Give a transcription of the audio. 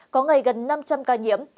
có ngày gần năm trăm linh ca nhiễm